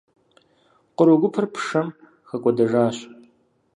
Къру гупыр пшэм хэкӏуэдэжащ.